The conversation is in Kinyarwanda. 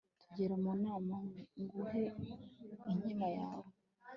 tugere mu nama nguhe inkima yawe